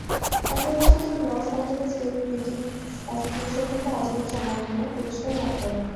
একই বছর তিনি Los Angeles film critics association থেকে আজীবন সম্মাননা পুরস্কার লাভ করেন।